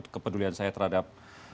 kepedulian saya terhadap